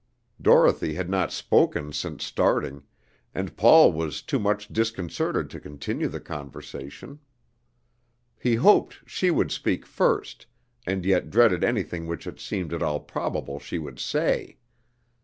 Dorothy had not spoken since starting, and Paul was too much disconcerted to continue the conversation. He hoped she would speak first, and yet dreaded anything which it seemed at all probable she would say.